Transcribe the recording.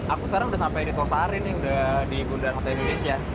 aku sekarang udah sampai di tosari nih udah di bundaran hotel indonesia